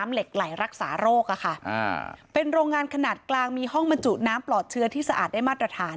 เหล็กไหลรักษาโรคเป็นโรงงานขนาดกลางมีห้องบรรจุน้ำปลอดเชื้อที่สะอาดได้มาตรฐาน